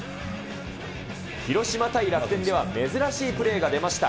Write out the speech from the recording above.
広島対楽天では珍しいプレーが出ました。